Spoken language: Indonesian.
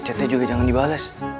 chatnya juga jangan dibales